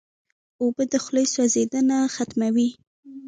اوبه د خولې سوځېدنه ختموي.